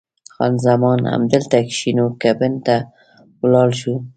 خان زمان: همدلته کښېنو که بڼ ته ولاړ شو؟